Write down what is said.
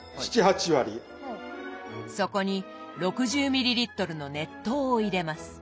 そこに６０ミリリットルの熱湯を入れます。